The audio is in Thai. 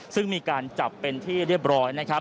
ซึ่งมีการจับเป็นที่เรียบร้อยนะครับ